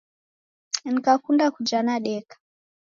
Nikakunda kuja nadeka